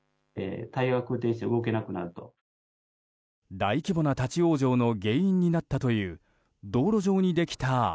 大規模な立ち往生の原因になったという道路上にできた穴。